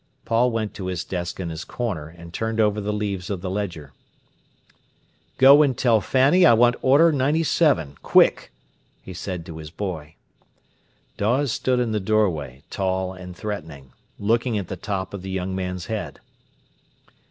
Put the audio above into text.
Paul went to his desk in his corner, and turned over the leaves of the ledger. "Go and tell Fanny I want order 097, quick!" he said to his boy. Dawes stood in the doorway, tall and threatening, looking at the top of the young man's head.